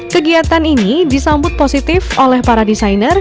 kegiatan ini disambut positif oleh para desainer